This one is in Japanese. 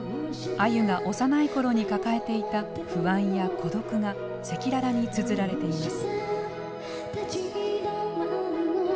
あゆが幼い頃に抱えていた「不安」や「孤独」が赤裸々につづられています。